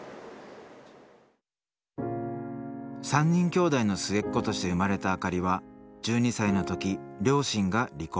３人きょうだいの末っ子として生まれた明里は１２歳の時両親が離婚。